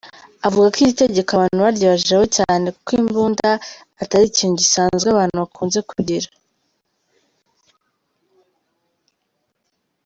Avuga ko iri tegeko abantu baryibajijehocyane kuko imbunda atari ikintu gisanzwe abantu bakunze kugira.